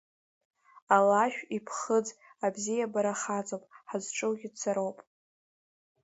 Алашә иԥхыӡ, Абзиабара ҳаҵоуп, ҳазҿугьы цароуп…